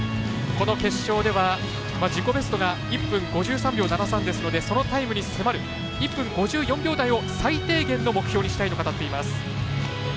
この決勝では自己ベストが１分５３秒７３ですのでそのタイムに迫る１分５４秒台を最低限の目標にしたいと語っています。